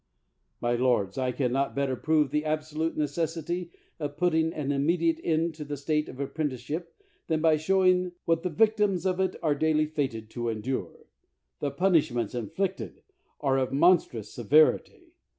My lords, I can not better prove the absolute necessity of putting an immediate end to the state of apprenticeship than by showing what the victims of it are daily fated to endure. The punishments inflicted are of monstrous severity.